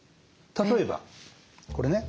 例えばこれね。